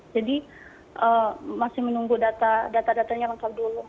jadi masih menunggu data datanya lengkap dulu